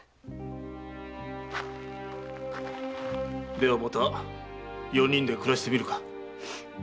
ではまた四人で暮らしてみるか。